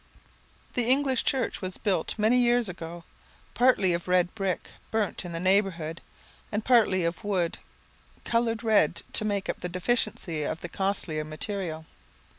The English church was built many years ago, partly of red brick burnt in the neighbourhood, and partly of wood coloured red to make up the deficiency of the costlier material.